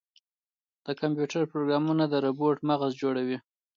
د کمپیوټر پروګرامونه د روبوټ مغز جوړوي.